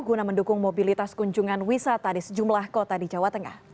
guna mendukung mobilitas kunjungan wisata di sejumlah kota di jawa tengah